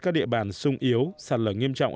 các địa bàn sung yếu sạt lở nghiêm trọng